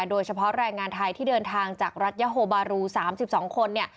โดยเฉพาะแรงงานไทยที่เดินทางจากรัฐยาโฮบารู๓๒คนเนี่ย